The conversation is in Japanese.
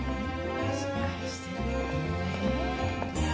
しっかりしてるね。